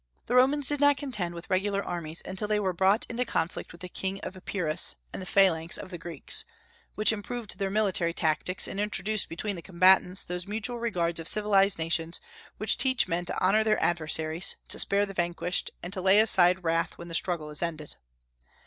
The Romans did not contend with regular armies until they were brought in conflict with the king of Epirus and the phalanx of the Greeks, "which improved their military tactics, and introduced between the combatants those mutual regards of civilized nations which teach men to honor their adversaries, to spare the vanquished, and to lay aside wrath when the struggle is ended."